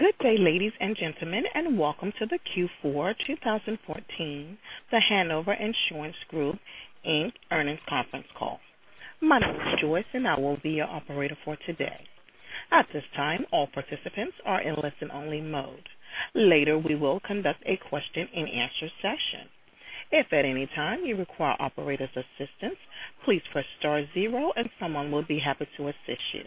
Good day, ladies and gentlemen, welcome to the Q4 2014 The Hanover Insurance Group, Inc. earnings conference call. My name is Joyce, and I will be your operator for today. At this time, all participants are in listen-only mode. Later, we will conduct a question and answer session. If at any time you require operator's assistance, please press star zero and someone will be happy to assist you.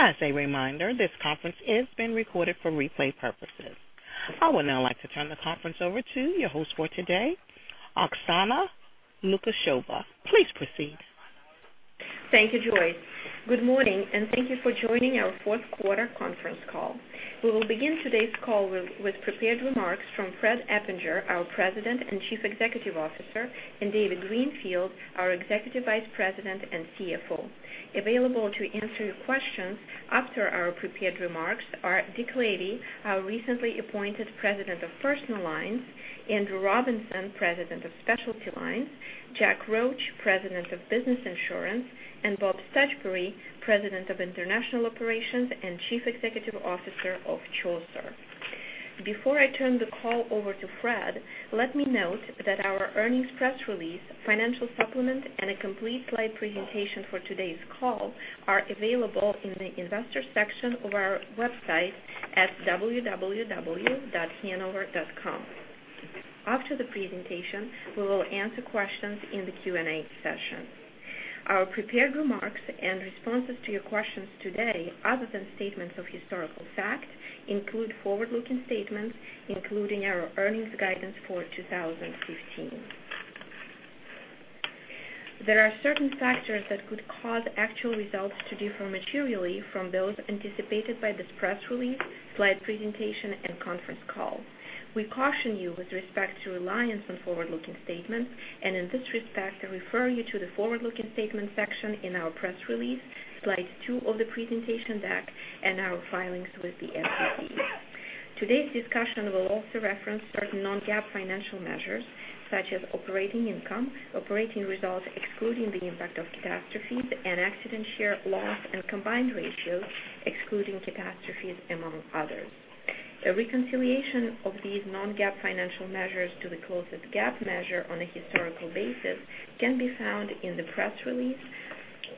As a reminder, this conference is being recorded for replay purposes. I would now like to turn the conference over to your host for today, Oksana Lukasheva. Please proceed. Thank you, Joyce. Good morning and thank you for joining our fourth quarter conference call. We will begin today's call with prepared remarks from Fred Eppinger, our President and Chief Executive Officer, and David Greenfield, our Executive Vice President and CFO. Available to answer your questions after our prepared remarks are Dick Lavey, our recently appointed President of Personal Lines, Andrew Robinson, President of Specialty Lines, Jack Roche, President of Business Insurance, and Bob Stuchbery, President of International Operations and Chief Executive Officer of Chaucer. Before I turn the call over to Fred, let me note that our earnings press release, financial supplement, and a complete slide presentation for today's call are available in the investors section of our website at www.hanover.com. After the presentation, we will answer questions in the Q&A session. Our prepared remarks and responses to your questions today, other than statements of historical fact, include forward-looking statements, including our earnings guidance for 2015. There are certain factors that could cause actual results to differ materially from those anticipated by this press release, slide presentation, conference call. We caution you with respect to reliance on forward-looking statements, in this respect, I refer you to the forward-looking statements section in our press release, slide two of the presentation deck, and our filings with the SEC. Today's discussion will also reference certain non-GAAP financial measures, such as operating income, operating results excluding the impact of catastrophes, accident share, loss, and combined ratios excluding catastrophes, among others. A reconciliation of these non-GAAP financial measures to the closest GAAP measure on a historical basis can be found in the press release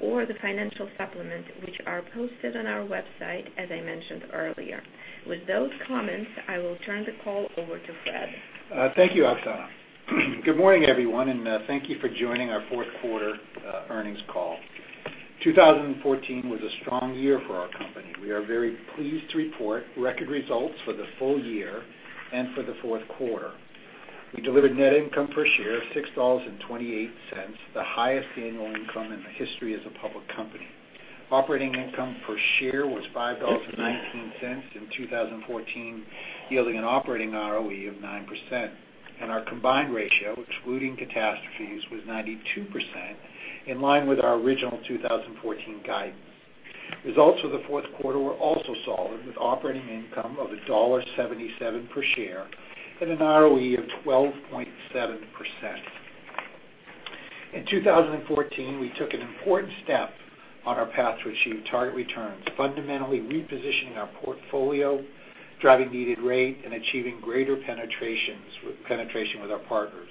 or the financial supplement, which are posted on our website, as I mentioned earlier. With those comments, I will turn the call over to Fred. Thank you, Oksana. Good morning, everyone, and thank you for joining our fourth quarter earnings call. 2014 was a strong year for our company. We are very pleased to report record results for the full year and for the fourth quarter. We delivered net income per share of $6.28, the highest annual income in the history as a public company. Operating income per share was $5.19 in 2014, yielding an operating ROE of 9%, and our combined ratio, excluding catastrophes, was 92%, in line with our original 2014 guidance. Results for the fourth quarter were also solid, with operating income of $1.77 per share and an ROE of 12.7%. In 2014, we took an important step on our path to achieve target returns, fundamentally repositioning our portfolio, driving needed rate, and achieving greater penetration with our partners.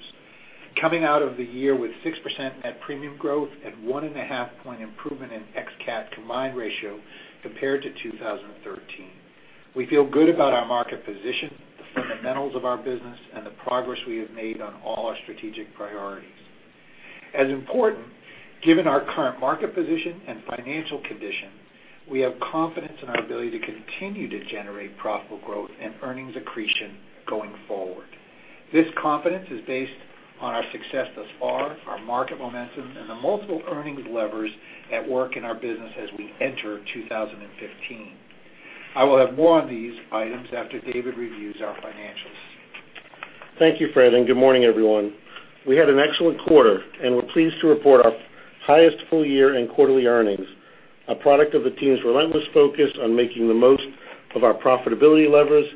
Coming out of the year with 6% net premium growth and one and a half point improvement in ex-cat combined ratio compared to 2013. We feel good about our market position, the fundamentals of our business, and the progress we have made on all our strategic priorities. As important, given our current market position and financial condition, we have confidence in our ability to continue to generate profitable growth and earnings accretion going forward. This confidence is based on our success thus far, our market momentum, and the multiple earnings levers at work in our business as we enter 2015. I will have more on these items after David reviews our financials. Thank you, Fred, and good morning, everyone. We had an excellent quarter and we're pleased to report our highest full year in quarterly earnings, a product of the team's relentless focus on making the most of our profitability levers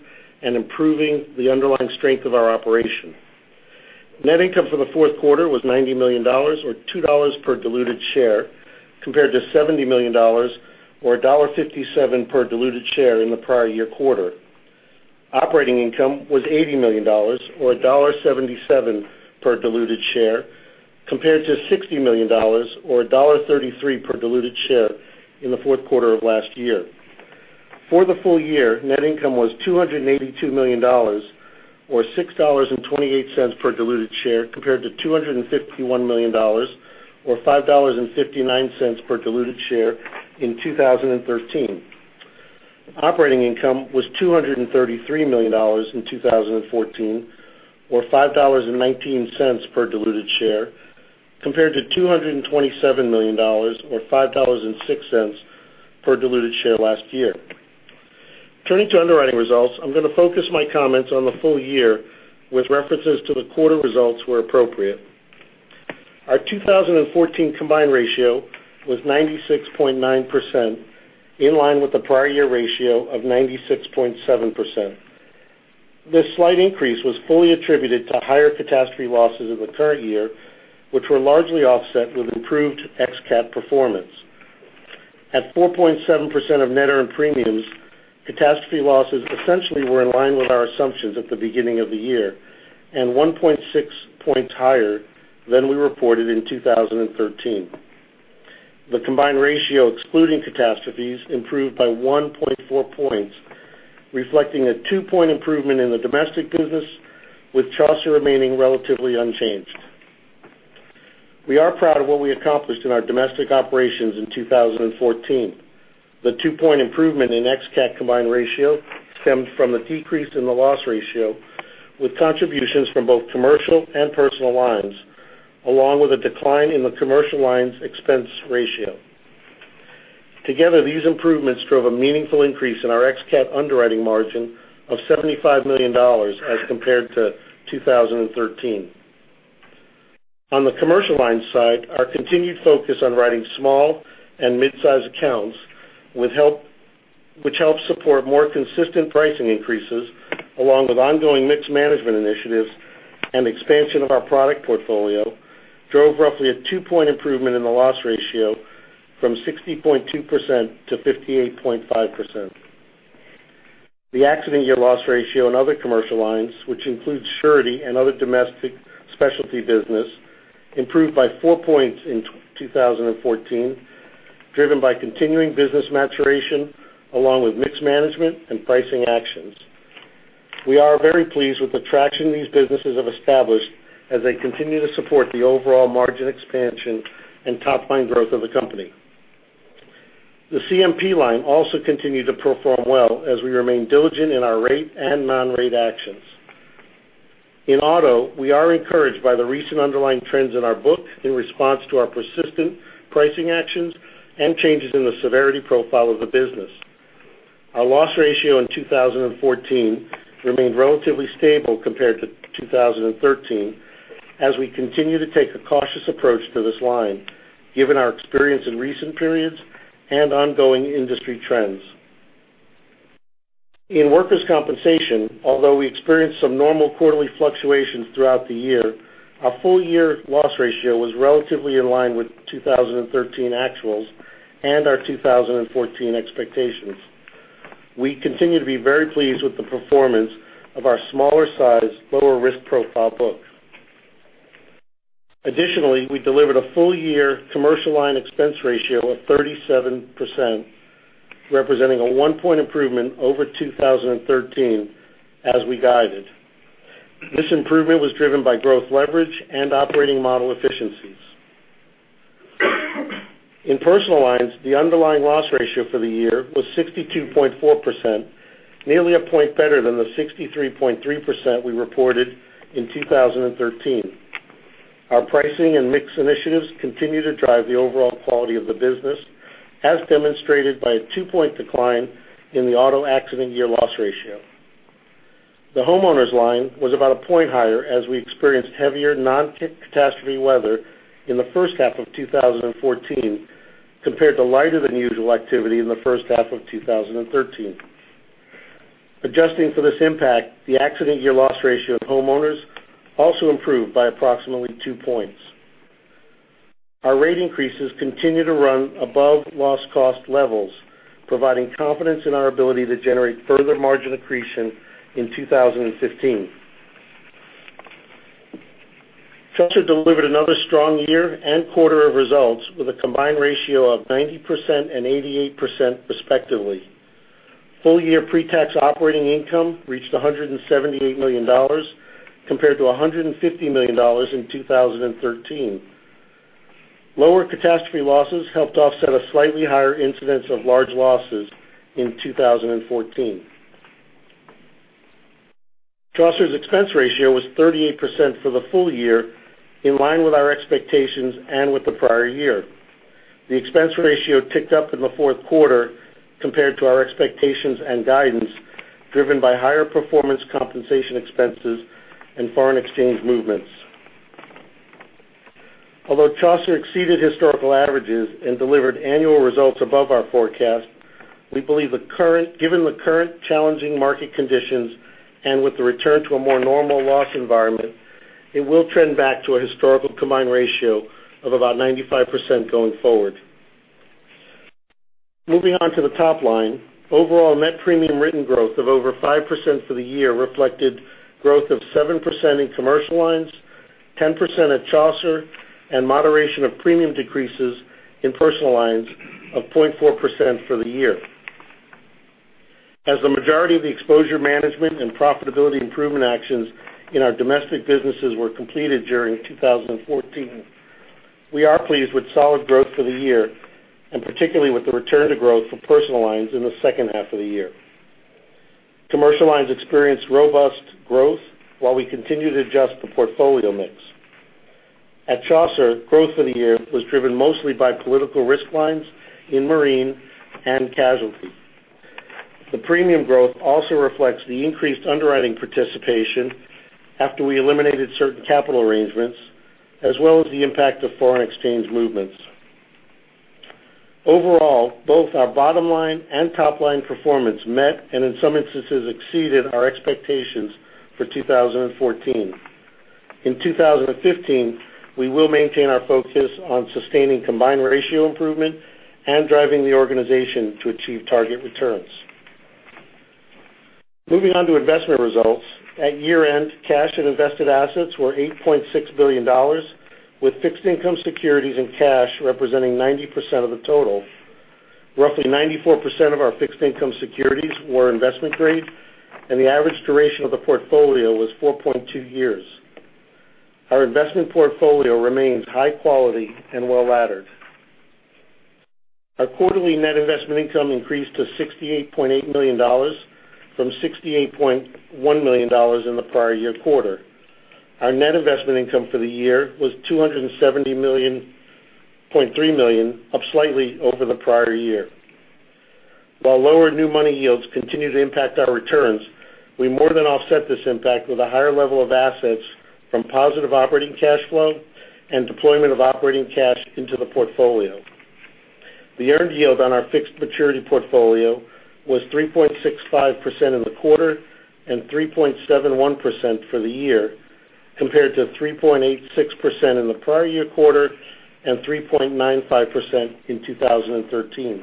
and improving the underlying strength of our operation. Net income for the fourth quarter was $90 million, or $2 per diluted share, compared to $70 million or $1.57 per diluted share in the prior year quarter. Operating income was $80 million, or $1.77 per diluted share, compared to $60 million or $1.33 per diluted share in the fourth quarter of last year. For the full year, net income was $282 million, or $6.28 per diluted share, compared to $251 million or $5.59 per diluted share in 2013. Operating income was $233 million in 2014, or $5.19 per diluted share, compared to $227 million or $5.06 per diluted share last year. Turning to underwriting results, I'm going to focus my comments on the full year with references to the quarter results where appropriate. Our 2014 combined ratio was 96.9%, in line with the prior year ratio of 96.7%. This slight increase was fully attributed to higher catastrophe losses in the current year, which were largely offset with improved ex-cat performance. At 4.7% of net earned premiums, catastrophe losses essentially were in line with our assumptions at the beginning of the year, and 1.6 points higher than we reported in 2013. The combined ratio, excluding catastrophes, improved by 1.4 points, reflecting a two-point improvement in the domestic business, with Chaucer remaining relatively unchanged. We are proud of what we accomplished in our domestic operations in 2014. The 2-point improvement in ex-cat combined ratio stemmed from a decrease in the loss ratio, with contributions from both Commercial Lines and Personal Lines, along with a decline in the Commercial Lines expense ratio. Together, these improvements drove a meaningful increase in our ex-cat underwriting margin of $75 million as compared to 2013. On the Commercial Lines side, our continued focus on writing small and mid-size accounts, which helps support more consistent pricing increases along with ongoing mix management initiatives and expansion of our product portfolio, drove roughly a 2-point improvement in the loss ratio from 60.2% to 58.5%. The accident year loss ratio in other Commercial Lines, which includes Surety and other domestic Specialty business, improved by four points in 2014, driven by continuing business maturation along with mix management and pricing actions. We are very pleased with the traction these businesses have established as they continue to support the overall margin expansion and top line growth of the company. The CMP line also continued to perform well as we remain diligent in our rate and non-rate actions. In auto, we are encouraged by the recent underlying trends in our book in response to our persistent pricing actions and changes in the severity profile of the business. Our loss ratio in 2014 remained relatively stable compared to 2013, as we continue to take a cautious approach to this line, given our experience in recent periods and ongoing industry trends. In workers' compensation, although we experienced some normal quarterly fluctuations throughout the year, our full-year loss ratio was relatively in line with 2013 actuals and our 2014 expectations. We continue to be very pleased with the performance of our smaller size, lower risk profile books. Additionally, we delivered a full year Commercial Lines expense ratio of 37%, representing a 1-point improvement over 2013, as we guided. This improvement was driven by growth leverage and operating model efficiencies. In Personal Lines, the underlying loss ratio for the year was 62.4%, nearly a point better than the 63.3% we reported in 2013. Our pricing and mix initiatives continue to drive the overall quality of the business, as demonstrated by a 2-point decline in the auto accident year loss ratio. The Homeowners line was about a point higher as we experienced heavier non-catastrophe weather in the first half of 2014 compared to lighter than usual activity in the first half of 2013. Adjusting for this impact, the accident year loss ratio of Homeowners also improved by approximately two points. Our rate increases continue to run above loss cost levels, providing confidence in our ability to generate further margin accretion in 2015. Chaucer delivered another strong year and quarter of results with a combined ratio of 90% and 88% respectively. Full year pre-tax operating income reached $178 million, compared to $150 million in 2013. Lower catastrophe losses helped offset a slightly higher incidence of large losses in 2014. Chaucer's expense ratio was 38% for the full year, in line with our expectations and with the prior year. The expense ratio ticked up in the fourth quarter compared to our expectations and guidance, driven by higher performance compensation expenses and foreign exchange movements. Although Chaucer exceeded historical averages and delivered annual results above our forecast, we believe, given the current challenging market conditions and with the return to a more normal loss environment, it will trend back to a historical combined ratio of about 95% going forward. Moving on to the top line, overall net premium written growth of over 5% for the year reflected growth of 7% in Business Insurance, 10% at Chaucer, and moderation of premium decreases in Personal Lines of 0.4% for the year. As the majority of the exposure management and profitability improvement actions in our domestic businesses were completed during 2014, we are pleased with solid growth for the year and particularly with the return to growth for Personal Lines in the second half of the year. Business Insurance experienced robust growth while we continue to adjust the portfolio mix. At Chaucer, growth for the year was driven mostly by Political Risk lines in Marine and casualty. The premium growth also reflects the increased underwriting participation after we eliminated certain capital arrangements, as well as the impact of foreign exchange movements. Overall, both our bottom line and top line performance met, and in some instances, exceeded our expectations for 2014. In 2015, we will maintain our focus on sustaining combined ratio improvement and driving the organization to achieve target returns. Moving on to investment results. At year-end, cash and invested assets were $8.6 billion, with fixed income securities and cash representing 90% of the total. Roughly 94% of our fixed income securities were investment grade, and the average duration of the portfolio was 4.2 years. Our investment portfolio remains high quality and well laddered. Our quarterly net investment income increased to $68.8 million from $68.1 million in the prior year quarter. Our net investment income for the year was $270.3 million, up slightly over the prior year. While lower new money yields continue to impact our returns, we more than offset this impact with a higher level of assets from positive operating cash flow and deployment of operating cash into the portfolio. The earned yield on our fixed maturity portfolio was 3.65% in the quarter and 3.71% for the year, compared to 3.86% in the prior year quarter and 3.95% in 2013.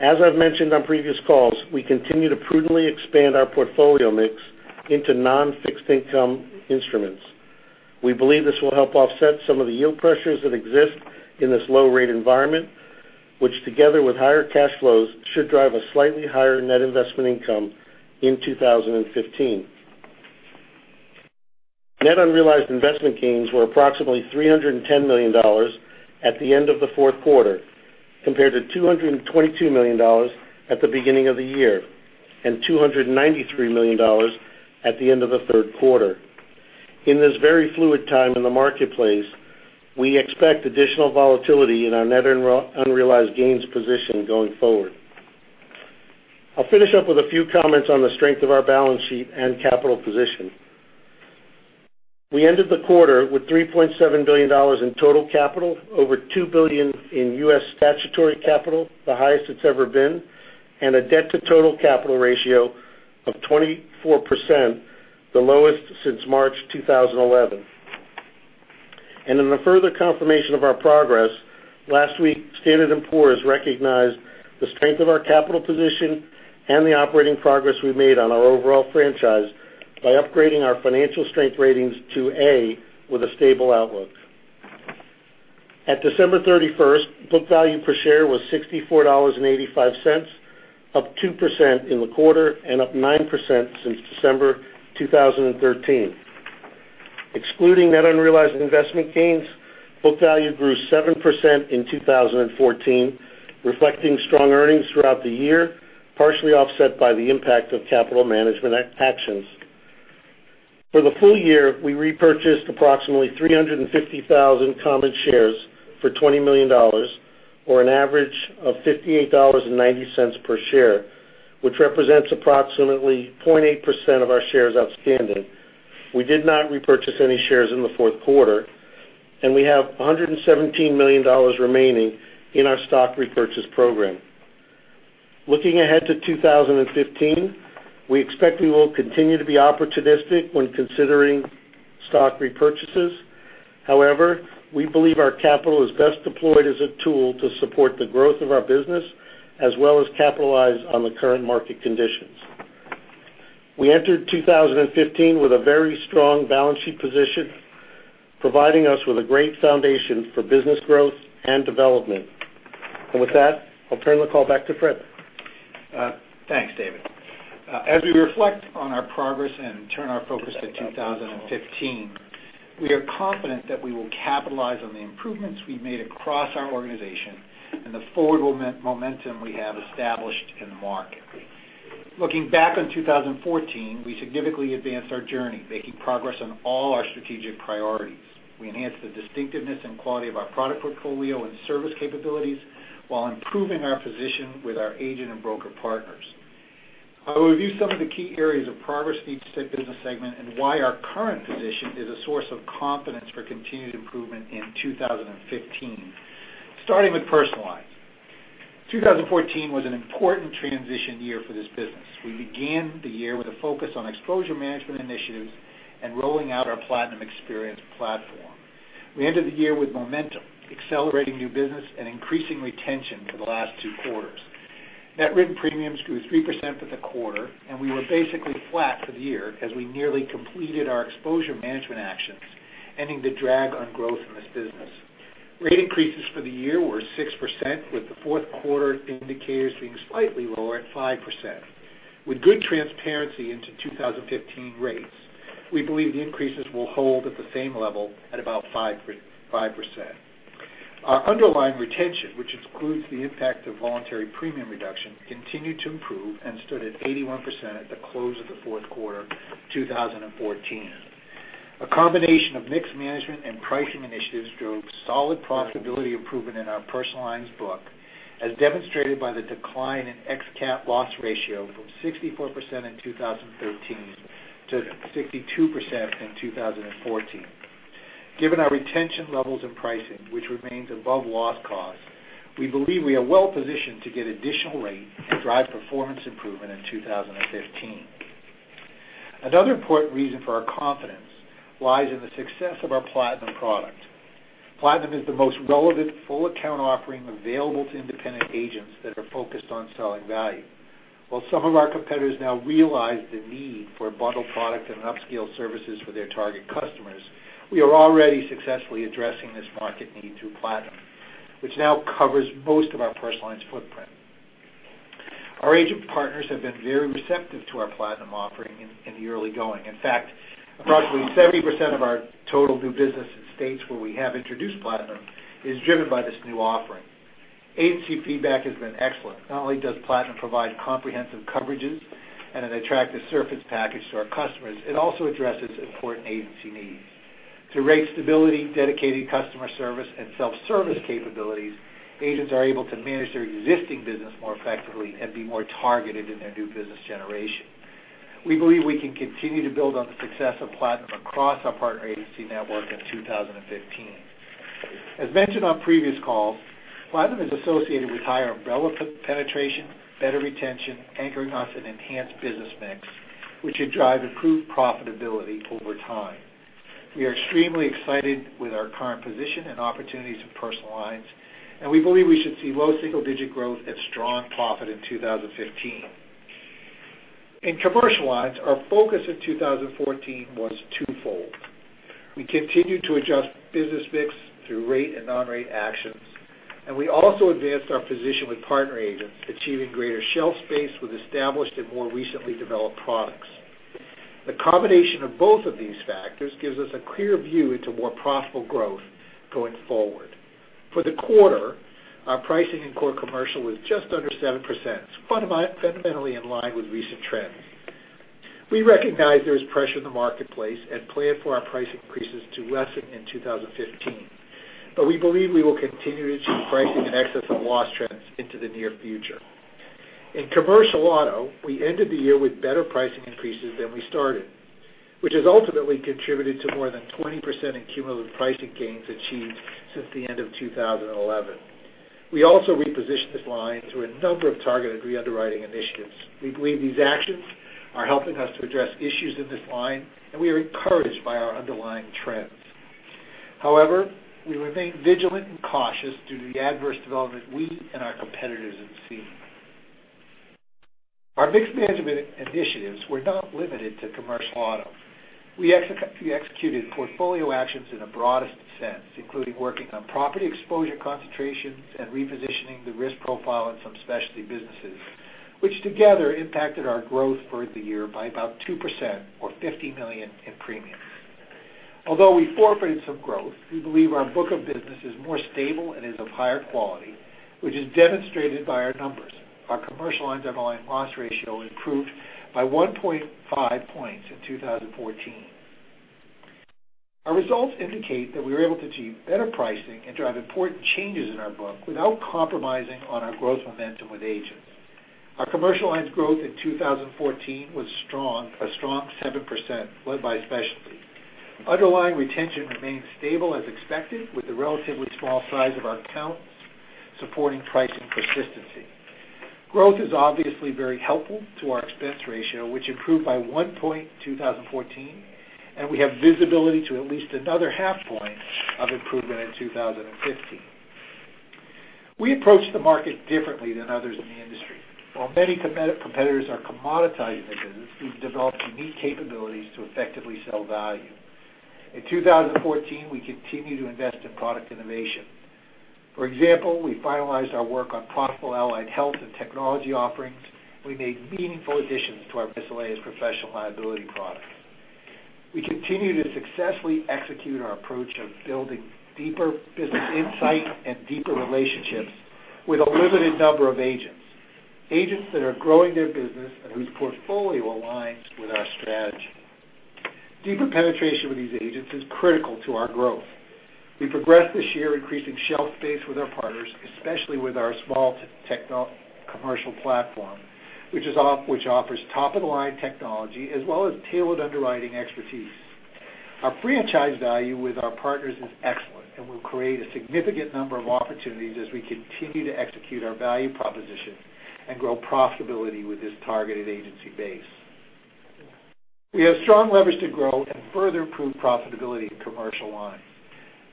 As I've mentioned on previous calls, we continue to prudently expand our portfolio mix into non-fixed income instruments. We believe this will help offset some of the yield pressures that exist in this low rate environment, which together with higher cash flows, should drive a slightly higher net investment income in 2015. Net unrealized investment gains were approximately $310 million at the end of the fourth quarter, compared to $222 million at the beginning of the year, and $293 million at the end of the third quarter. In this very fluid time in the marketplace, we expect additional volatility in our net unrealized gains position going forward. I'll finish up with a few comments on the strength of our balance sheet and capital position. We ended the quarter with $3.7 billion in total capital, over $2 billion in U.S. statutory capital, the highest it's ever been, and a debt to total capital ratio of 24%, the lowest since March 2011. In a further confirmation of our progress, last week, Standard & Poor's recognized the strength of our capital position and the operating progress we made on our overall franchise by upgrading our financial strength ratings to A with a stable outlook. At December 31st, book value per share was $64.85, up 2% in the quarter and up 9% since December 2013. Excluding net unrealized investment gains, book value grew 7% in 2014, reflecting strong earnings throughout the year, partially offset by the impact of capital management actions. For the full year, we repurchased approximately 350,000 common shares for $20 million, or an average of $58.90 per share, which represents approximately 0.8% of our shares outstanding. We did not repurchase any shares in the fourth quarter, and we have $117 million remaining in our stock repurchase program. Looking ahead to 2015, we expect we will continue to be opportunistic when considering stock repurchases. However, we believe our capital is best deployed as a tool to support the growth of our business, as well as capitalize on the current market conditions. We entered 2015 with a very strong balance sheet position, providing us with a great foundation for business growth and development. With that, I'll turn the call back to Fred. Thanks, David. As we reflect on our progress and turn our focus to 2015, we are confident that we will capitalize on the improvements we've made across our organization and the forward momentum we have established in the market. Looking back on 2014, we significantly advanced our journey, making progress on all our strategic priorities. We enhanced the distinctiveness and quality of our product portfolio and service capabilities while improving our position with our agent and broker partners. I will review some of the key areas of progress for each business segment and why our current position is a source of confidence for continued improvement in 2015. Starting with Personal Lines. 2014 was an important transition year for this business. We began the year with a focus on exposure management initiatives and rolling out our Platinum experience platform. We ended the year with momentum, accelerating new business and increasing retention for the last two quarters. Net written premiums grew 3% for the quarter, and we were basically flat for the year as we nearly completed our exposure management actions, ending the drag on growth in this business. Rate increases for the year were 6%, with the fourth quarter indicators being slightly lower at 5%. With good transparency into 2015 rates, we believe the increases will hold at the same level at about 5%. Our underlying retention, which excludes the impact of voluntary premium reduction, continued to improve and stood at 81% at the close of the fourth quarter 2014. A combination of mix management and pricing initiatives drove solid profitability improvement in our Personal Lines book as demonstrated by the decline in ex-cat loss ratio from 64% in 2013 to 62% in 2014. Given our retention levels and pricing, which remains above loss cost, we believe we are well positioned to get additional rate and drive performance improvement in 2015. Another important reason for our confidence lies in the success of our Platinum product. Platinum is the most relevant full account offering available to independent agents that are focused on selling value. While some of our competitors now realize the need for a bundled product and upscale services for their target customers, we are already successfully addressing this market need through Platinum, which now covers most of our Personal Lines footprint. Our agent partners have been very receptive to our Platinum offering in the early going. In fact, approximately 70% of our total new business in states where we have introduced Platinum is driven by this new offering. Agency feedback has been excellent. Not only does Platinum provide comprehensive coverages and an attractive service package to our customers, it also addresses important agency needs. Through rate stability, dedicated customer service, and self-service capabilities, agents are able to manage their existing business more effectively and be more targeted in their new business generation. We believe we can continue to build on the success of Platinum across our partner agency network in 2015. As mentioned on previous calls, Platinum is associated with higher umbrella penetration, better retention, anchoring us an enhanced business mix, which should drive improved profitability over time. We are extremely excited with our current position and opportunities in Personal Lines, and we believe we should see low single-digit growth and strong profit in 2015. In Commercial Lines, our focus in 2014 was twofold. We continued to adjust business mix through rate and non-rate actions. We also advanced our position with partner agents, achieving greater shelf space with established and more recently developed products. The combination of both of these factors gives us a clear view into more profitable growth going forward. For the quarter, our pricing in core commercial was just under 7%, fundamentally in line with recent trends. We recognize there is pressure in the marketplace and plan for our price increases to lessen in 2015, but we believe we will continue to see pricing in excess of loss trends into the near future. In commercial auto, we ended the year with better pricing increases than we started, which has ultimately contributed to more than 20% in cumulative pricing gains achieved since the end of 2011. We also repositioned this line through a number of targeted re-underwriting initiatives. We believe these actions are helping us to address issues in this line. We are encouraged by our underlying trends. However, we remain vigilant and cautious due to the adverse development we and our competitors have seen. Our mixed management initiatives were not limited to commercial auto. We executed portfolio actions in the broadest sense, including working on property exposure concentrations and repositioning the risk profile in some specialty businesses, which together impacted our growth for the year by about 2% or $50 million in premiums. Although we forfeited some growth, we believe our book of business is more stable and is of higher quality, which is demonstrated by our numbers. Our commercial lines underlying loss ratio improved by 1.5 points in 2014. Our results indicate that we were able to achieve better pricing and drive important changes in our book without compromising on our growth momentum with agents. Our commercial lines growth in 2014 was a strong 7%, led by specialty. Underlying retention remained stable as expected, with the relatively small size of our accounts supporting pricing consistency. Growth is obviously very helpful to our expense ratio, which improved by one point in 2014, and we have visibility to at least another half point of improvement in 2015. We approach the market differently than others in the industry. While many competitors are commoditizing the business, we've developed unique capabilities to effectively sell value. In 2014, we continued to invest in product innovation. For example, we finalized our work on profitable Allied Health and technology offerings. We made meaningful additions to our Miscellaneous Professional Liability products. We continue to successfully execute our approach of building deeper business insight and deeper relationships with a limited number of agents that are growing their business and whose portfolio aligns with our strategy. Deeper penetration with these agents is critical to our growth. We progressed this year increasing shelf space with our partners, especially with our small commercial platform, which offers top-of-the-line technology as well as tailored underwriting expertise. Our franchise value with our partners is excellent and will create a significant number of opportunities as we continue to execute our value proposition and grow profitability with this targeted agency base. We have strong leverage to grow and further improve profitability in commercial lines.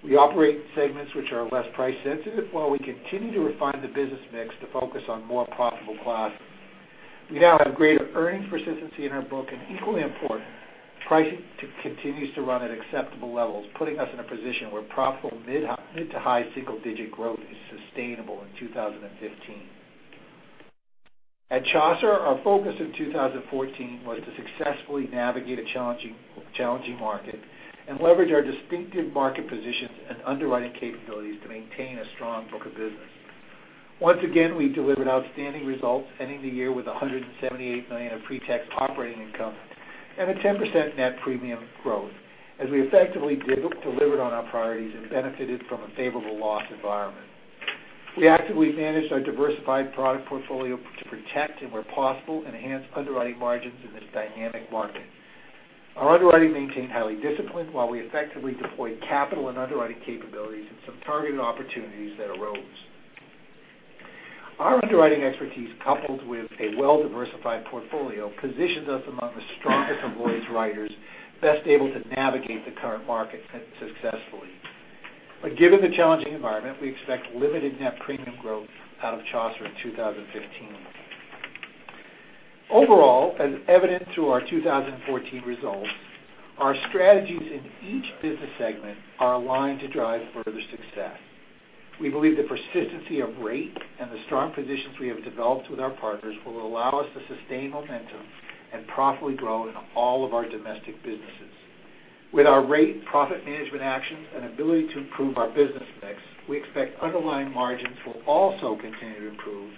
We operate segments which are less price sensitive while we continue to refine the business mix to focus on more profitable classes. We now have greater earnings consistency in our book, equally important, pricing continues to run at acceptable levels, putting us in a position where profitable mid to high single-digit growth is sustainable in 2015. At Chaucer, our focus in 2014 was to successfully navigate a challenging market and leverage our distinctive market positions and underwriting capabilities to maintain a strong book of business. Once again, we delivered outstanding results, ending the year with $178 million of pre-tax operating income. A 10% net premium growth as we effectively delivered on our priorities and benefited from a favorable loss environment. We actively managed our diversified product portfolio to protect, and where possible, enhance underwriting margins in this dynamic market. Our underwriting maintained highly disciplined while we effectively deployed capital and underwriting capabilities in some targeted opportunities that arose. Our underwriting expertise, coupled with a well-diversified portfolio, positions us among the strongest Lloyd's writers best able to navigate the current market successfully. Given the challenging environment, we expect limited net premium growth out of Chaucer in 2015. Overall, as evident through our 2014 results, our strategies in each business segment are aligned to drive further success. We believe the persistency of rate and the strong positions we have developed with our partners will allow us to sustain momentum and profitably grow in all of our domestic businesses. With our rate profit management actions and ability to improve our business mix, we expect underlying margins will also continue to improve.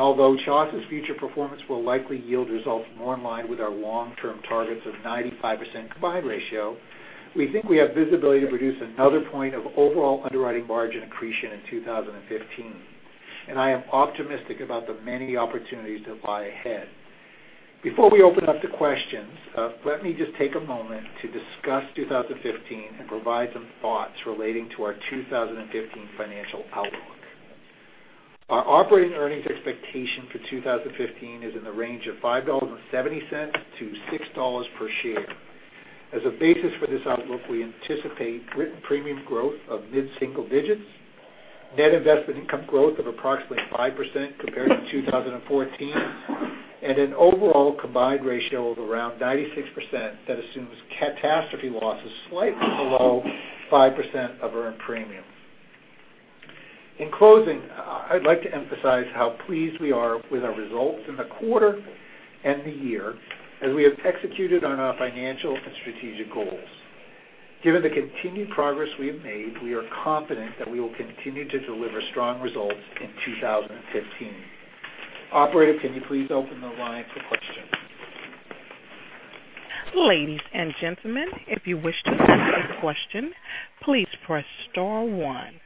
Although Chaucer's future performance will likely yield results more in line with our long-term targets of 95% combined ratio, we think we have visibility to produce another point of overall underwriting margin accretion in 2015. I am optimistic about the many opportunities that lie ahead. Before we open up to questions, let me just take a moment to discuss 2015 and provide some thoughts relating to our 2015 financial outlook. Our operating earnings expectation for 2015 is in the range of $5.70 to $6 per share. As a basis for this outlook, we anticipate written premium growth of mid-single digits, net investment income growth of approximately 5% compared to 2014, an overall combined ratio of around 96% that assumes catastrophe losses slightly below 5% of earned premium. In closing, I'd like to emphasize how pleased we are with our results in the quarter and the year, as we have executed on our financial and strategic goals. Given the continued progress we have made, we are confident that we will continue to deliver strong results in 2015. Operator, can you please open the line for questions? Ladies and gentlemen, if you wish to ask a question, please press star one.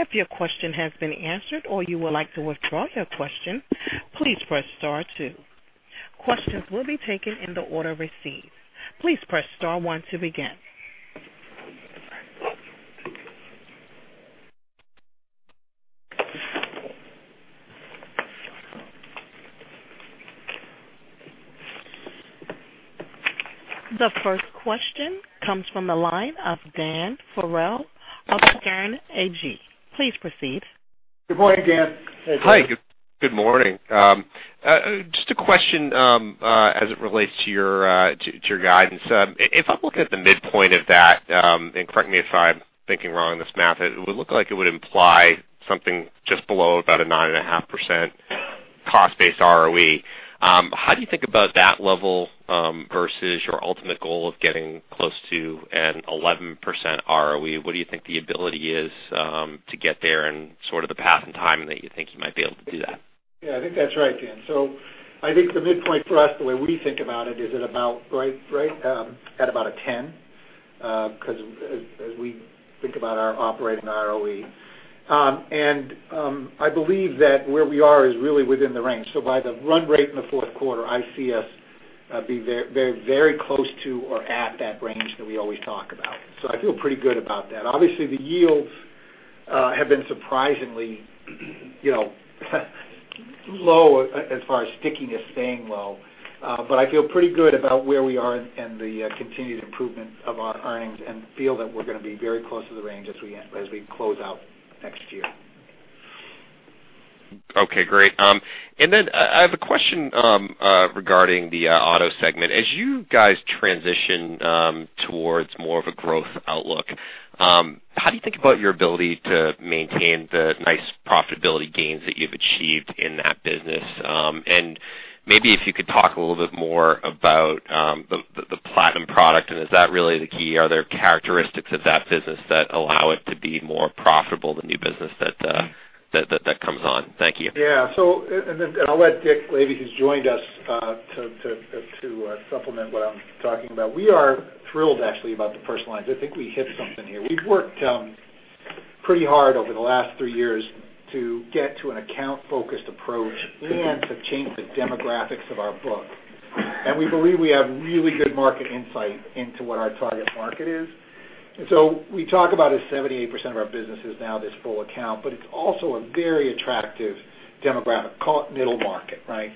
If your question has been answered or you would like to withdraw your question, please press star two. Questions will be taken in the order received. Please press star one to begin. The first question comes from the line of Daniel Farrell of Piper Sandler. Please proceed. Good morning, Dan. Hi, good morning. Just a question as it relates to your guidance. If I'm looking at the midpoint of that, correct me if I'm thinking wrong on this math, it would look like it would imply something just below about a 9.5% cost-based ROE. How do you think about that level versus your ultimate goal of getting close to an 11% ROE? What do you think the ability is to get there and sort of the path and timing that you think you might be able to do that? Yeah, I think that's right, Dan. I think the midpoint for us, the way we think about it, is at about 10 because as we think about our operating ROE. I believe that where we are is really within the range. By the run rate in the fourth quarter, I see us be very close to or at that range that we always talk about. I feel pretty good about that. Obviously, the yields have been surprisingly low as far as stickiness staying low, I feel pretty good about where we are and the continued improvement of our earnings and feel that we're going to be very close to the range as we close out next year. Okay, great. I have a question regarding the auto segment. As you guys transition towards more of a growth outlook, how do you think about your ability to maintain the nice profitability gains that you've achieved in that business? Maybe if you could talk a little bit more about the Platinum product, and is that really the key? Are there characteristics of that business that allow it to be more profitable than new business that comes on? Thank you. Yeah. I'll let Dick maybe who's joined us to supplement what I'm talking about. We are thrilled actually about the Personal Lines. I think we hit something here. We've worked pretty hard over the last three years to get to an account-focused approach and to change the demographics of our book. We believe we have really good market insight into what our target market is. We talk about is 78% of our business is now this full account. It's also a very attractive demographic. Call it middle market, right?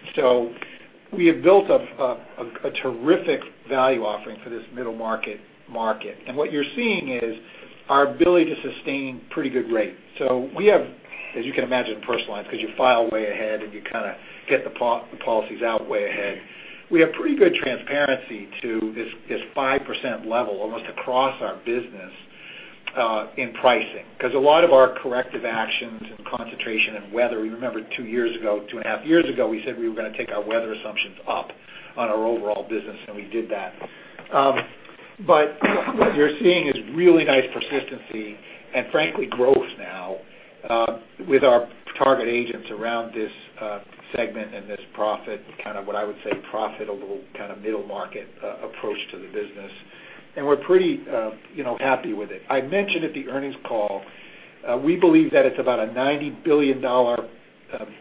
We have built a terrific value offering for this middle market. What you're seeing is our ability to sustain pretty good rate. We have, as you can imagine, Personal Lines because you file way ahead, you kind of get the policies out way ahead. We have pretty good transparency to this 5% level almost across our business in pricing because a lot of our corrective actions and concentration and weather, you remember two and a half years ago, we said we were going to take our weather assumptions up on our overall business, and we did that. What you're seeing is really nice persistency and frankly growth with our target agents around this segment and this profit, kind of what I would say profitable middle market approach to the business. We're pretty happy with it. I mentioned at the earnings call, we believe that it's about a $90 billion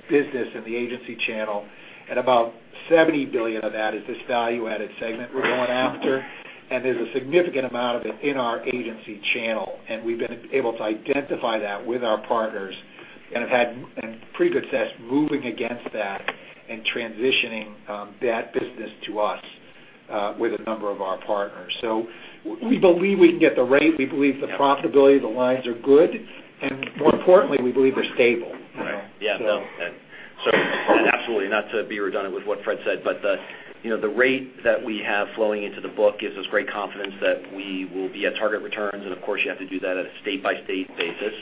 business in the agency channel, and about $70 billion of that is this value-added segment we're going after. There's a significant amount of it in our agency channel, and we've been able to identify that with our partners and have had pretty good success moving against that and transitioning that business to us with a number of our partners. We believe we can get the rate, we believe the profitability of the lines are good, and more importantly, we believe they're stable. Right. Yeah, no. Absolutely, not to be redundant with what Fred said, the rate that we have flowing into the book gives us great confidence that we will be at target returns. Of course, you have to do that at a state-by-state basis.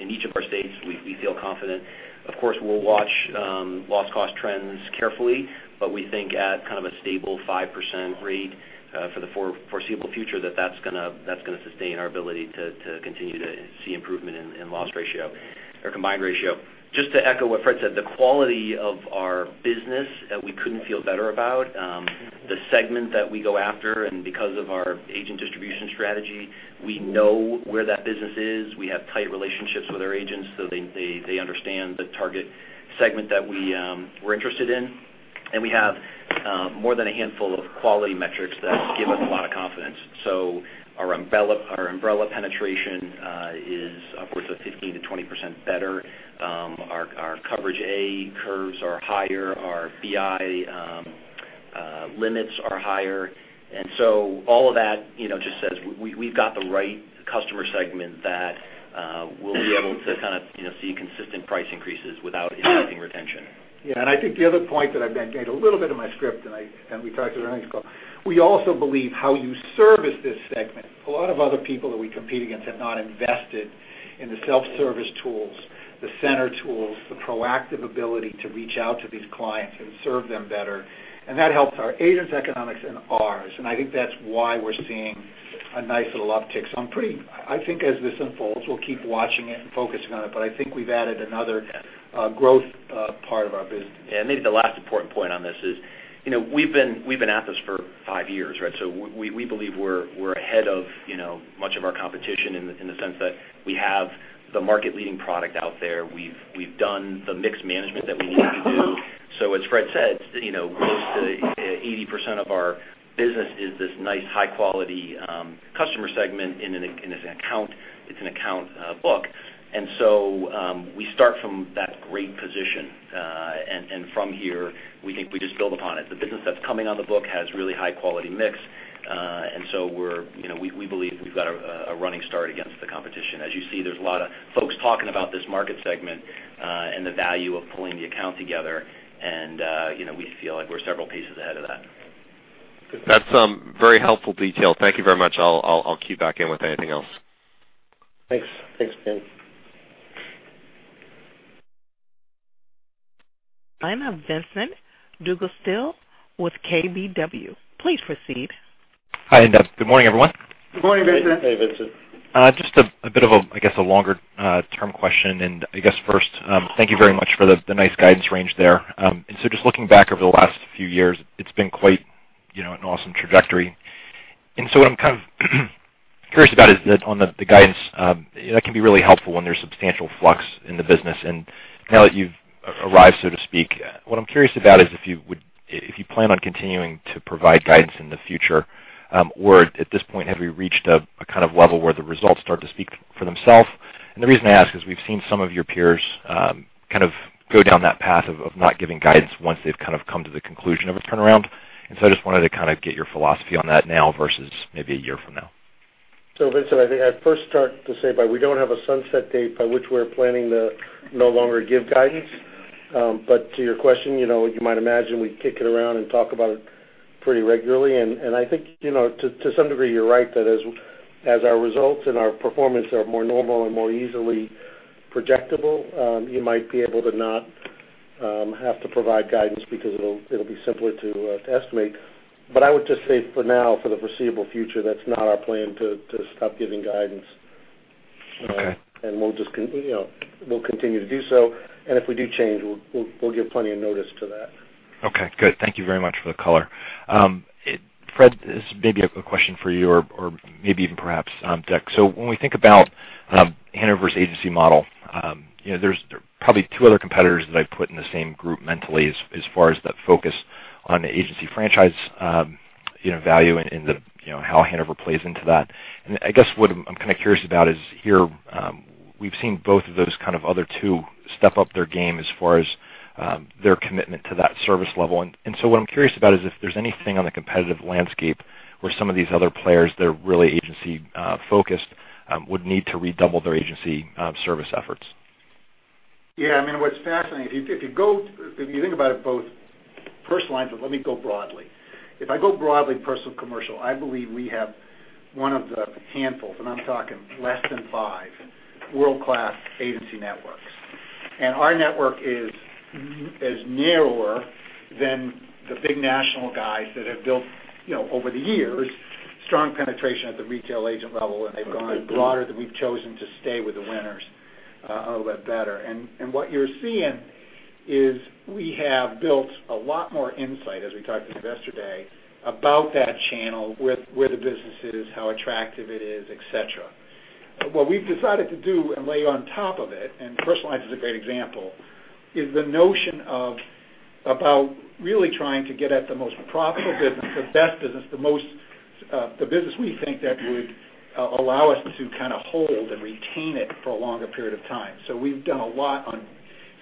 In each of our states, we feel confident. Of course, we'll watch loss cost trends carefully, but we think at kind of a stable 5% rate for the foreseeable future, that that's going to sustain our ability to continue to see improvement in loss ratio or combined ratio. Just to echo what Fred said, the quality of our business, we couldn't feel better about. The segment that we go after, and because of our agent distribution strategy, we know where that business is. We have tight relationships with our agents, so they understand the target segment that we're interested in. We have more than a handful of quality metrics that give us a lot of confidence. Our umbrella penetration is upwards of 15%-20% better. Our Coverage A curves are higher, our BI limits are higher. All of that just says we've got the right customer segment that we'll be able to see consistent price increases without impacting retention. Yeah. I think the other point that I've indicated a little bit in my script, and we talked at the earnings call, we also believe how you service this segment. A lot of other people that we compete against have not invested in the self-service tools, the center tools, the proactive ability to reach out to these clients and serve them better. That helps our agents' economics and ours. I think that's why we're seeing a nice little uptick. I'm pretty, I think as this unfolds, we'll keep watching it and focusing on it, but I think we've added another growth part of our business. Maybe the last important point on this is we've been at this for five years, right? We believe we're ahead of much of our competition in the sense that we have the market leading product out there. We've done the mix management that we need to do. As Fred said, close to 80% of our business is this nice high-quality customer segment, and it's an account book. We start from that great position. From here, we think we just build upon it. The business that's coming on the book has really high quality mix. We believe we've got a running start against the competition. As you see, there's a lot of folks talking about this market segment, and the value of pulling the account together, and we feel like we're several pieces ahead of that. That's very helpful detail. Thank you very much. I'll queue back in with anything else. Thanks. Thanks, Dan. I have Vincent DeAugustino with KBW. Please proceed. Hi, good morning, everyone. Good morning, Vincent. Hey, Vincent. Just a bit of, I guess, a longer term question. I guess first, thank you very much for the nice guidance range there. Just looking back over the last few years, it's been quite an awesome trajectory. What I'm kind of curious about is that on the guidance, that can be really helpful when there's substantial flux in the business and now that you've arrived, so to speak. What I'm curious about is if you plan on continuing to provide guidance in the future, or at this point, have you reached a kind of level where the results start to speak for themselves? The reason I ask is we've seen some of your peers kind of go down that path of not giving guidance once they've kind of come to the conclusion of a turnaround. I just wanted to kind of get your philosophy on that now versus maybe a year from now. Vincent, I think I'd first start to say by we don't have a sunset date by which we're planning to no longer give guidance. To your question, you might imagine we kick it around and talk about it pretty regularly. I think to some degree you're right that as our results and our performance are more normal and more easily projectable, you might be able to not have to provide guidance because it'll be simpler to estimate. I would just say for now, for the foreseeable future, that's not our plan to stop giving guidance. Okay. We'll continue to do so. If we do change, we'll give plenty of notice to that. Okay, good. Thank you very much for the color. Fred, this may be a question for you or maybe even perhaps Dick. When we think about The Hanover's agency model, there's probably two other competitors that I've put in the same group mentally as far as the focus on agency franchise value and how The Hanover plays into that. I guess what I'm kind of curious about is here we've seen both of those kind of other two step up their game as far as their commitment to that service level. What I'm curious about is if there's anything on the competitive landscape where some of these other players that are really agency focused would need to redouble their agency service efforts. Yeah, I mean, what's fascinating, if you think about it both Personal Lines, but let me go broadly. If I go broadly Personal Lines, commercial, I believe we have one of the handfuls, and I'm talking less than five world-class agency networks. Our network is narrower than the big national guys that have built over the years strong penetration at the retail agent level, and they've gone broader than we've chosen to stay with the winners a little bit better. What you're seeing is we have built a lot more insight, as we talked at Investor Day, about that channel, where the business is, how attractive it is, et cetera. What we've decided to do and lay on top of it, and Personal Lines is a great example, is the notion of about really trying to get at the most profitable business, the best business, the business we think that would allow us to kind of hold and retain it for a longer period of time. We've done a lot on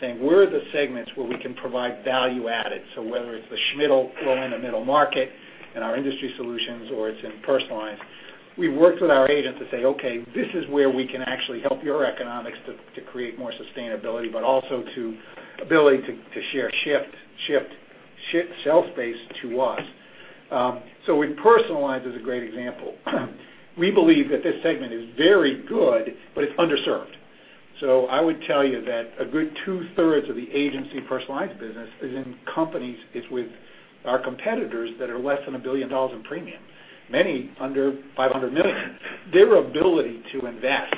saying, where are the segments where we can provide value added, so whether it's the small and middle, low, and the middle market in our industry solutions or it's in Personal Lines. We've worked with our agents to say, "Okay, this is where we can actually help your economics to create more sustainability," ability to shift shelf space to us. Personal Lines is a great example. We believe that this segment is very good, it's underserved. I would tell you that a good two-thirds of the agency Personal Lines business is in companies, it's with our competitors that are less than $1 billion in premium, many under $500 million. Their ability to invest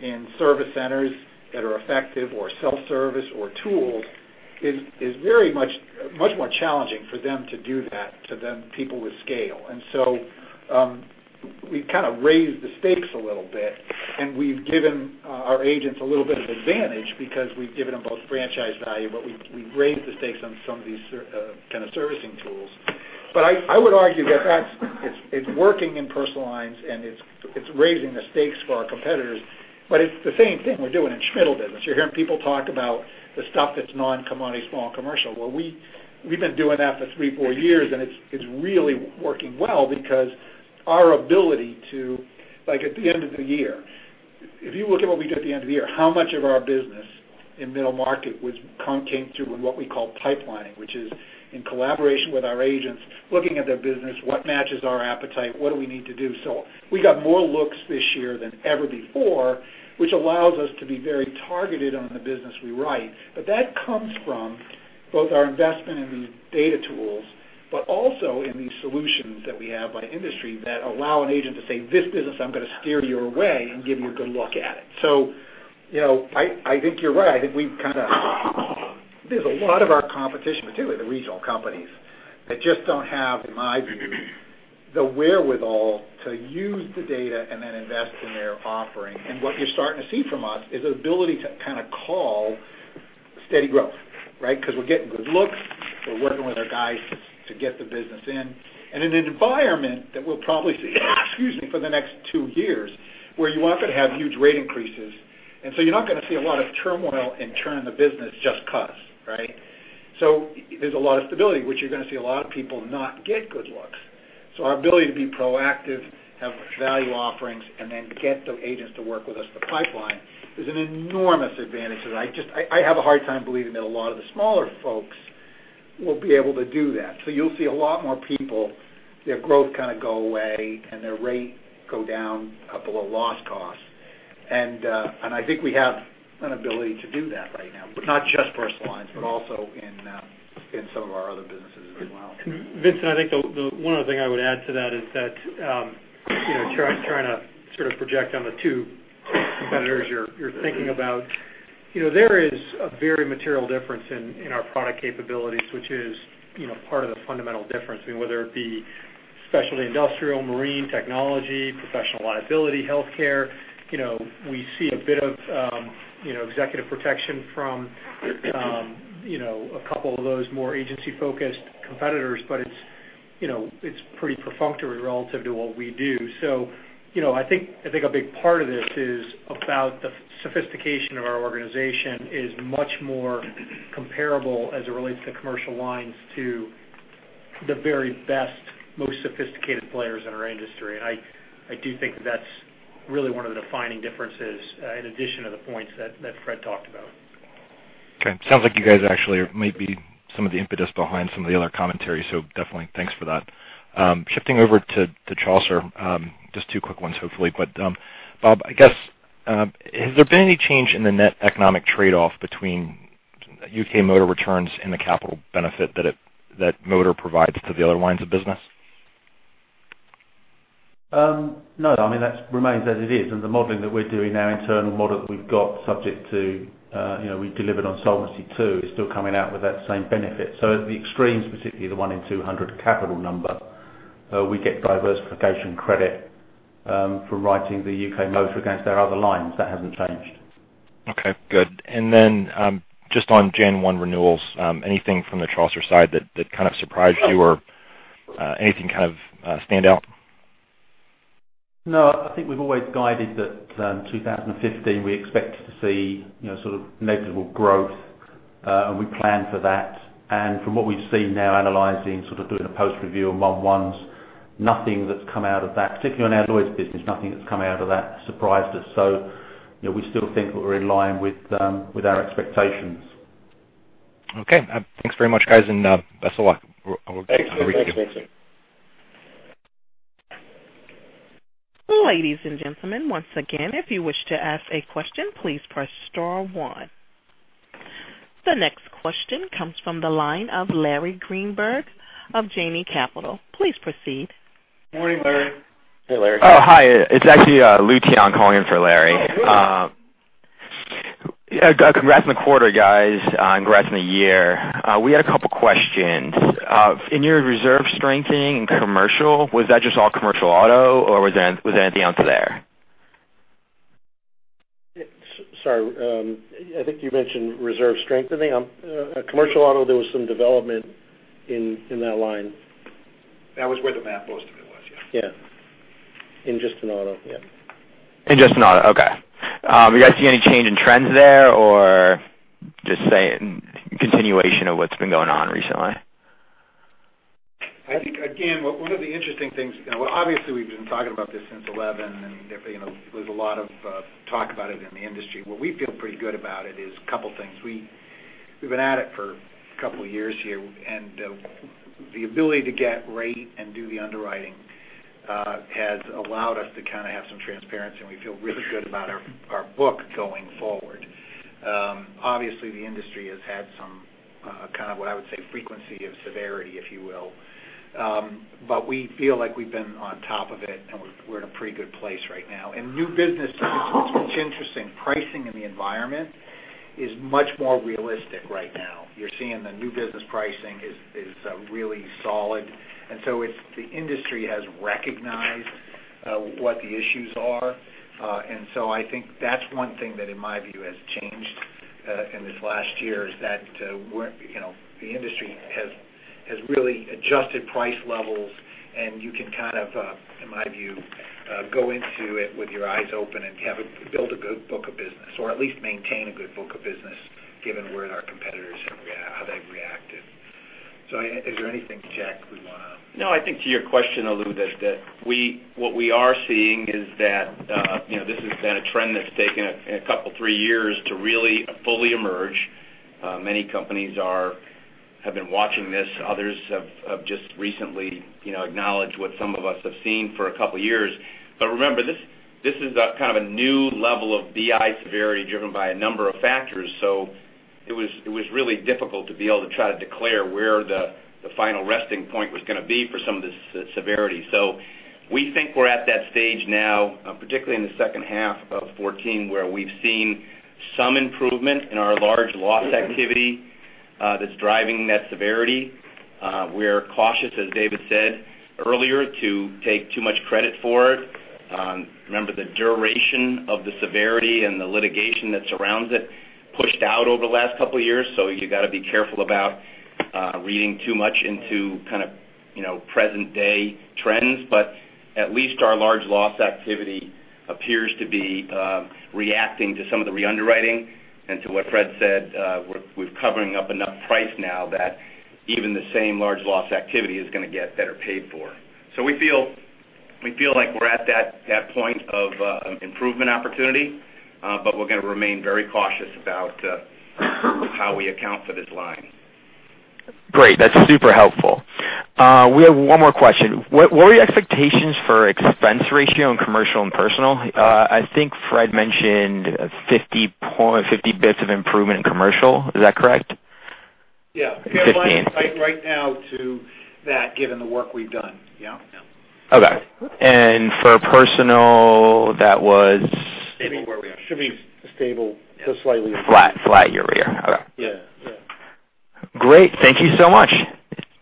in service centers that are effective or self-service or tools is very much more challenging for them to do that to then people with scale. We've kind of raised the stakes a little bit, and we've given our agents a little bit of advantage because we've given them both franchise value, we've raised the stakes on some of these kind of servicing tools. I would argue that it's working in Personal Lines and it's raising the stakes for our competitors. It's the same thing we're doing in small and middle business. You're hearing people talk about the stuff that's non-commodity small commercial. We've been doing that for three, four years, and it's really working well because our ability to, like at the end of the year, if you look at what we did at the end of the year, how much of our business in middle market came through in what we call pipelining, which is in collaboration with our agents, looking at their business, what matches our appetite, what do we need to do? We got more looks this year than ever before, which allows us to be very targeted on the business we write. That comes from both our investment in these data tools, but also in these solutions that we have by industry that allow an agent to say, "This business, I'm going to steer your way and give you a good look at it." I think you're right. I think there's a lot of our competition, particularly the regional companies, that just don't have, in my view, the wherewithal to use the data and then invest in their offering. What you're starting to see from us is the ability to kind of call steady growth, right? Because we're getting good looks. We're working with our guys to get the business in. In an environment that we'll probably see, excuse me, for the next two years, where you aren't going to have huge rate increases, and you're not going to see a lot of turmoil in turning the business just because, right? There's a lot of stability, which you're going to see a lot of people not get good looks. Our ability to be proactive, have value offerings, and then get the agents to work with us, the pipeline, is an enormous advantage that I have a hard time believing that a lot of the smaller folks will be able to do that. You'll see a lot more people, their growth kind of go away and their rate go down a couple of loss costs. I think we have an ability to do that right now, but not just Personal Lines, but also in some of our other businesses as well. Vincent, I think one other thing I would add to that is that, trying to sort of project on the two competitors you're thinking about. There is a very material difference in our product capabilities, which is part of the fundamental difference. Whether it be Specialty Industrial, Marine, technology, Professional Liability, Allied Health, we see a bit of Executive Protection from a couple of those more agency-focused competitors, but it's pretty perfunctory relative to what we do. I think a big part of this is about the sophistication of our organization is much more comparable as it relates to commercial lines to the very best, most sophisticated players in our industry. I do think that that's really one of the defining differences, in addition to the points that Fred talked about. Okay. Sounds like you guys actually might be some of the impetus behind some of the other commentary. Definitely thanks for that. Shifting over to Chaucer. Just two quick ones, hopefully. Bob, I guess, has there been any change in the net economic trade-off between U.K. motor returns and the capital benefit that motor provides to the other lines of business? No. I mean, that remains as it is, and the modeling that we're doing now, internal model that we've got subject to, we delivered on Solvency II, is still coming out with that same benefit. At the extremes, specifically the one in 200 capital number, we get diversification credit for writing the U.K. motor against our other lines. That hasn't changed. Okay, good. Just on Jan 1 renewals, anything from the Chaucer side that kind of surprised you or anything kind of stand out? No, I think we've always guided that 2015, we expect to see sort of measurable growth, and we plan for that. From what we've seen now analyzing, sort of doing a post-review on month ones, nothing that's come out of that, particularly on our Lloyd's business, nothing that's come out of that surprised us. We still think that we're in line with our expectations. Okay. Thanks very much, guys, and best of luck. Thanks. Thanks, Vincent. Ladies and gentlemen, once again, if you wish to ask a question, please press star one. The next question comes from the line of Larry Greenberg of Janney Capital. Please proceed. Morning, Larry. Hey, Larry. Oh, hi. It's actually Lou Tion calling in for Larry. Oh, good. Congrats on the quarter, guys. Congrats on the year. We had a couple questions. In your reserve strengthening in commercial, was that just all commercial auto or was there anything else there? Sorry, I think you mentioned reserve strengthening. Commercial auto, there was some development in that line. That was where the math mostly was, yes. Yeah. In just in auto, yeah. In just in auto, okay. You guys see any change in trends there or just continuation of what's been going on recently? I think, again, one of the interesting things, obviously we've been talking about this since 2011, there was a lot of talk about it in the industry. What we feel pretty good about it is a couple of things. We've been at it for a couple of years here, the ability to get rate and do the underwriting has allowed us to kind of have some transparency, we feel really good about our book going forward. Obviously, the industry has had some kind of, what I would say, frequency of severity, if you will. We feel like we've been on top of it, we're in a pretty good place right now. New business, which interesting pricing in the environment, is much more realistic right now. You're seeing the new business pricing is really solid. The industry has recognized what the issues are. I think that's one thing that, in my view, has changed in this last year is that the industry has really adjusted price levels, you can kind of, in my view, go into it with your eyes open and build a good book of business or at least maintain a good book of business, given where our competitors have reacted, how they've reacted. Is there anything, Jack, we want to- I think to your question, although, what we are seeing is that this has been a trend that's taken a couple, three years to really fully emerge. Many companies have been watching this. Others have just recently acknowledged what some of us have seen for a couple of years. Remember, this is a kind of a new level of BI severity driven by a number of factors. It was really difficult to be able to try to declare where the final resting point was going to be for some of this severity. We think we're at that stage now, particularly in the second half of 2014, where we've seen some improvement in our large loss activity that's driving that severity. We're cautious, as David said earlier, to take too much credit for it. Remember the duration of the severity and the litigation that surrounds it pushed out over the last couple of years. You got to be careful about reading too much into kind of present day trends. At least our large loss activity appears to be reacting to some of the re-underwriting. To what Fred said, we're covering up enough price now that even the same large loss activity is going to get better paid for. We feel like we're at that point of improvement opportunity, but we're going to remain very cautious about how we account for this line. Great. That's super helpful. We have one more question. What were your expectations for expense ratio on commercial and personal? I think Fred mentioned 50 basis points of improvement in commercial. Is that correct? Yeah. Right now to that, given the work we've done. Yeah. Okay. For personal, that was. Should be where we are. Should be stable to slightly. Flat year-over-year. Okay. Yeah. Great. Thank you so much.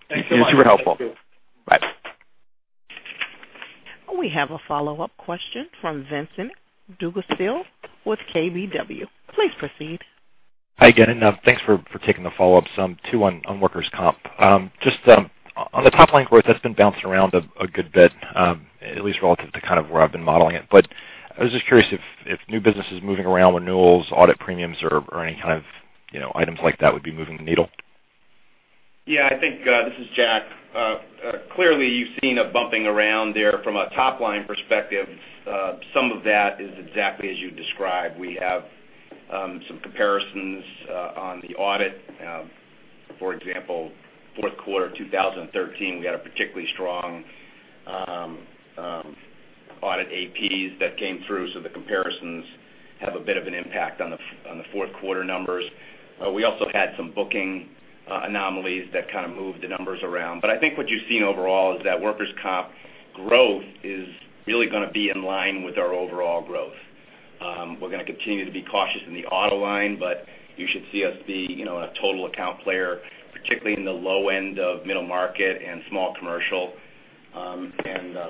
Thanks so much. You're super helpful. Bye. We have a follow-up question from Vincent DeAugustino with KBW. Please proceed. Hi, again. Thanks for taking the follow-up, some two on workers' comp. Just on the top line growth, that's been bouncing around a good bit, at least relative to kind of where I've been modeling it. I was just curious if new business is moving around renewals, audit premiums or any kind of items like that would be moving the needle. Yeah, I think, this is Jack. Clearly you've seen a bumping around there from a top-line perspective. Some of that is exactly as you described. We have some comparisons on the audit. For example, fourth quarter 2013, we had a particularly strong audit APs that came through, the comparisons have a bit of an impact on the fourth quarter numbers. We also had some booking anomalies that kind of moved the numbers around. I think what you've seen overall is that workers' comp growth is really going to be in line with our overall growth. We're going to continue to be cautious in the auto line, but you should see us be a total account player, particularly in the low end of middle market and small commercial.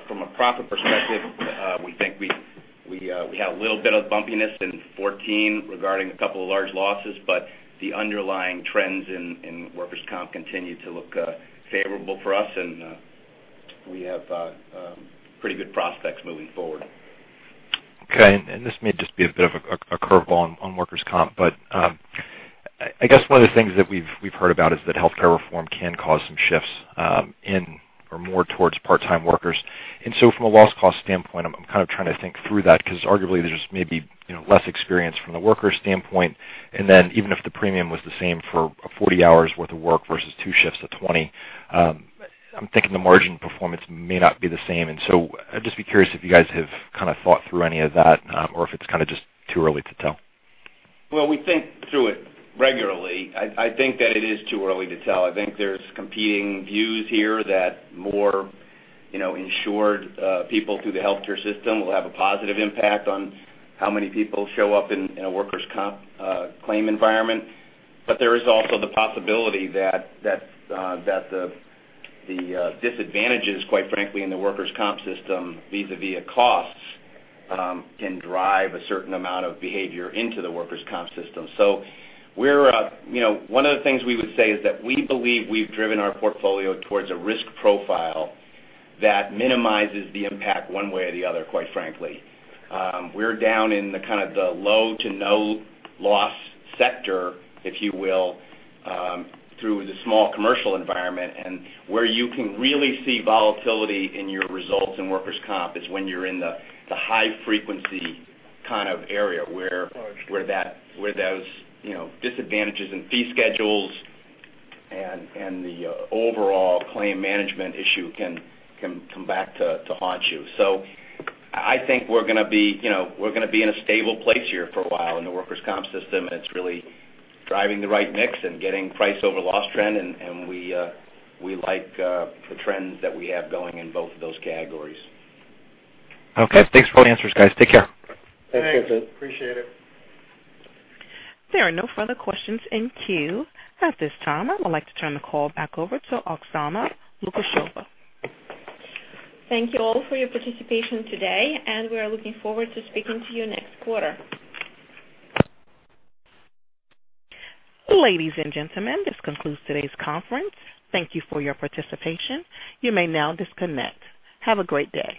From a profit perspective, we think we have a little bit of bumpiness in 2014 regarding a couple of large losses, but the underlying trends in workers' comp continue to look favorable for us, and we have pretty good prospects moving forward. Okay. This may just be a bit of a curveball on workers' comp, but I guess one of the things that we've heard about is that healthcare reform can cause some shifts in or more towards part-time workers. From a loss cost standpoint, I'm kind of trying to think through that because arguably there's maybe less experience from the worker standpoint. Even if the premium was the same for 40 hours worth of work versus two shifts of 20, I'm thinking the margin performance may not be the same. I'd just be curious if you guys have kind of thought through any of that or if it's kind of just too early to tell. Well, we think through it regularly. I think that it is too early to tell. I think there's competing views here that more insured people through the healthcare system will have a positive impact on how many people show up in a workers' comp claim environment. There is also the possibility that the disadvantages, quite frankly, in the workers' comp system vis-a-vis costs can drive a certain amount of behavior into the workers' comp system. One of the things we would say is that we believe we've driven our portfolio towards a risk profile that minimizes the impact one way or the other, quite frankly. We're down in the kind of the low to no loss sector, if you will, through the small commercial environment. Where you can really see volatility in your results in workers' comp is when you're in the high frequency kind of area where those disadvantages in fee schedules and the overall claim management issue can come back to haunt you. I think we're going to be in a stable place here for a while in the workers' comp system, and it's really driving the right mix and getting price over loss trend, and we like the trends that we have going in both of those categories. Okay. Thanks for all the answers, guys. Take care. Thanks, Vincent. Thanks. Appreciate it. There are no further questions in queue at this time. I would like to turn the call back over to Oksana Lukasheva. Thank you all for your participation today, and we are looking forward to speaking to you next quarter. Ladies and gentlemen, this concludes today's conference. Thank you for your participation. You may now disconnect. Have a great day.